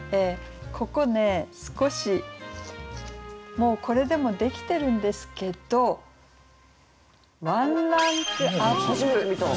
ここね少しもうこれでもできてるんですけどワンランクＵＰという。